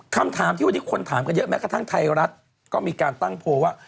คำถามที่วันนี้คนถามกันเยอะแม้กระทั่งไทยรัฐก็มีการตั้งโพลว่า